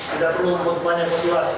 tidak perlu banyak populasi